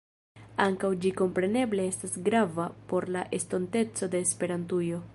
Ankaŭ ĝi kompreneble estas grava por la estonteco de Esperantujo.